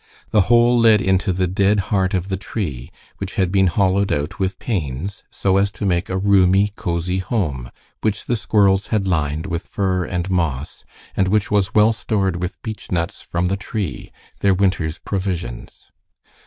The hole led into the dead heart of the tree, which had been hollowed out with pains so as to make a roomy, cosy home, which the squirrels had lined with fur and moss, and which was well stored with beechnuts from the tree, their winter's provisions.